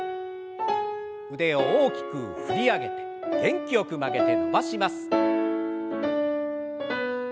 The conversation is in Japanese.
腕を大きく振り上げて元気よく曲げて伸ばします。